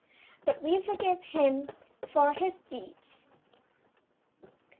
But we forgive him, for his deeds.